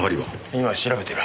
今調べてる。